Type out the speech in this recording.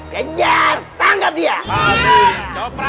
kejar tangkap dia